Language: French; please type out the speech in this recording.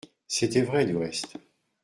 C'était vrai, du reste.